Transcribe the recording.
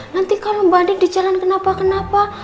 nanti kalau mbak andin di jalan kenapa kenapa